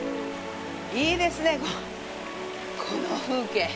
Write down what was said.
いいですね、この風景！